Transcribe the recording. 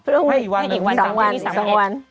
อีกวันอีกสามวัน